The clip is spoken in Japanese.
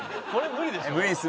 無理です